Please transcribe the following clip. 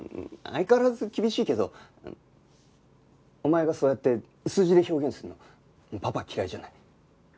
相変わらず厳しいけどお前がそうやって数字で表現するのパパ嫌いじゃない。